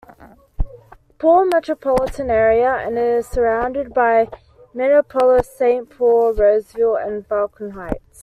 Paul metropolitan area and is surrounded by Minneapolis, Saint Paul, Roseville, and Falcon Heights.